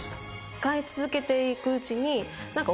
使い続けていくうちに。